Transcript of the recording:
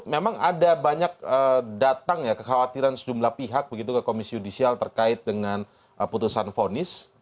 memang ada banyak datang ya kekhawatiran sejumlah pihak begitu ke komisi yudisial terkait dengan putusan vonis